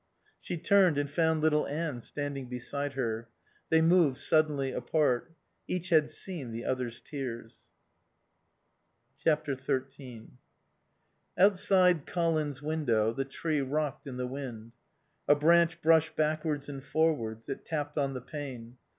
She turned and found little Anne standing beside her. They moved suddenly apart. Each had seen the other's tears. xiii Outside Colin's window the tree rocked in the wind. A branch brushed backwards and forwards, it tapped on the pane.